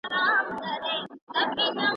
د پرديو کلتور مه خپلوي.